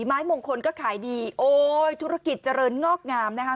ไม้มงคลก็ขายดีโอ้ยธุรกิจเจริญงอกงามนะคะ